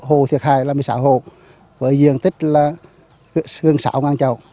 hồ thiệt hại là một mươi sáu hồ với diện tích là gần sáu chậu